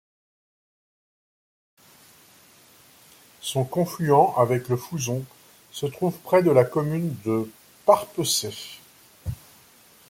Son confluent avec le Fouzon, se trouve près de la commune de Parpeçay.